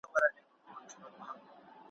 څوک چی خپل کسب پرېږدي دا ور پېښېږي .